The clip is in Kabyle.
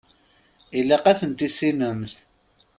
Ilaq ad ten-tissinemt.